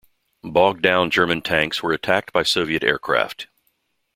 Bogged down German tanks were attacked by Soviet aircraft.